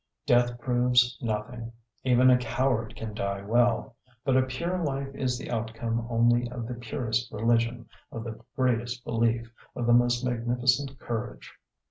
Death proves nothing. Even a coward can die well. But a pure life is the outcome only of the purest religion, of the greatest belief, of the most magnificent courage.